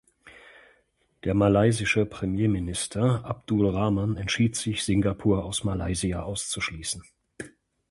Der malaysische Premierminister Abdul Rahman entschied sich, Singapur aus Malaysia auszuschließen.